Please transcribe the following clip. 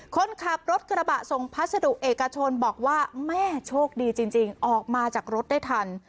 คนขับรถกระบะส่งพัสดุเอกชนบอกว่าแม่โชคดีจริงออกมาจากรถได้ทัน